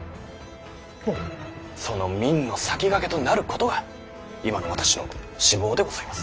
その民の魁となることが今の私の志望でございます！